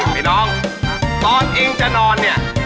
พี่น้องตอนอิงจะนอนเนี่ย